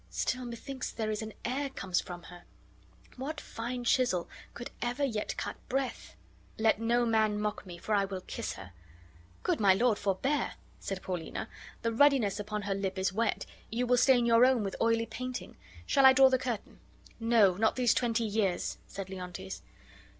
Still methinks there is an air comes from her. What fine chisel could ever yet cut breath? Let no man mock me, for I will kiss her." "Good my lord, forbear!" said Paulina. "The ruddiness upon her lip is wet; you will stain your own with oily painting. Shall I draw the curtain?" "No, not these twenty years," said Leontes.